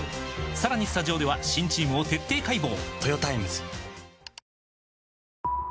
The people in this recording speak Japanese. さらにスタジオでは新チームを徹底解剖！